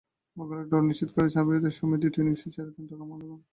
বগুড়ায় ড্র নিশ্চিত করে চা-বিরতির সময় দ্বিতীয় ইনিংস ছেড়ে দেয় ঢাকা মহানগর।